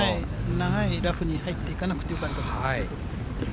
長いラフに入っていかなくてよかったです。